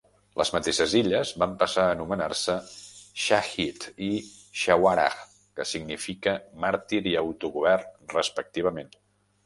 Les mateixes illes van passar a anomenar-se "Shaheed" i "Swaraj", que significa "màrtir" i "autogovern", respectivament.